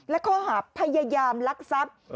และข้อหาพยายามลักทรัพย์